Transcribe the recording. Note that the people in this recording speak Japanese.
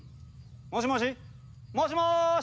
もしもし？もしもし！